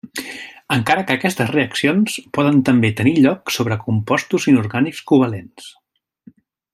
Encara que aquestes reaccions poden també tenir lloc sobre compostos inorgànics covalents.